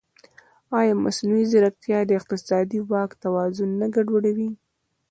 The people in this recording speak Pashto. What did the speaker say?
ایا مصنوعي ځیرکتیا د اقتصادي واک توازن نه ګډوډوي؟